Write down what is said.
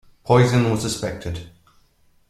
Poisoning was suspected.